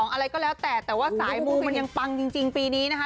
อะไรก็แล้วแต่แต่ว่าสายมูมันยังปังจริงปีนี้นะคะ